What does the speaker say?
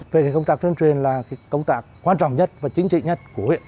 về công tác tuyên truyền là công tác quan trọng nhất và chính trị nhất của huyện